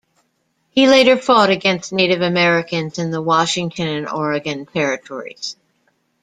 He later fought against Native Americans in the Washington and Oregon territories.